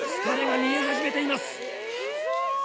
疲れが見え始めています。